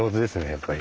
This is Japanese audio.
やっぱり。